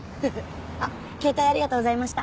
あっ携帯ありがとうございました。